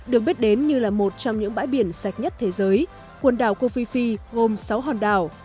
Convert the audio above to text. được biết đến như là một trong những bãi biển sạch nhất thế giới quần đảo cọc phi phi gồm sáu hòn đảo